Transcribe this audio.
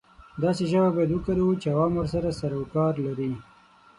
داسې ژبه باید وکاروو چې عوام ورسره سر او کار لري.